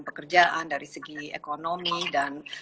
pekerjaan dari segi ekonomi dan